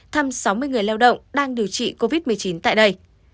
thăm sáu mươi người lao động đang điều trị covid một mươi chín tại đây